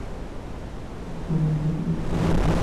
তোমরা ইহাতে অভ্যস্ত হইয়া গিয়াছ।